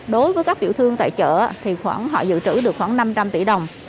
đối với các tiểu thương tại chợ thì khoảng họ dự trữ được khoảng năm trăm linh tỷ đồng